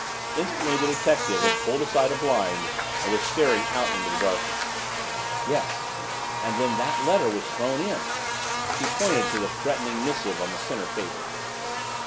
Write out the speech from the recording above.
Instantly the detective had pulled aside a blind and was staring out into the darkness. "Yes. And then that letter was thrown in." She pointed to the threatening missive on the center table.